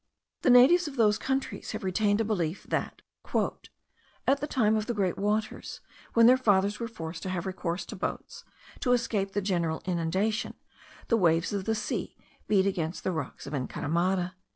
The natives of those countries have retained the belief that, "at the time of the great waters, when their fathers were forced to have recourse to boats, to escape the general inundation, the waves of the sea beat against the rocks of Encaramada."